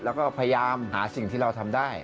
แล้วก็พยายามหาสิ่งที่เราทำได้